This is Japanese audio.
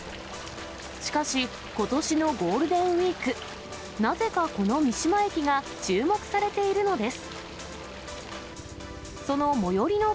しかし、ことしのゴールデンウィーク、なぜかこの三島駅が注目されているのです。